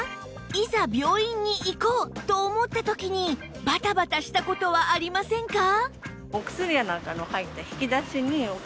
いざ病院に行こうと思った時にバタバタした事はありませんか？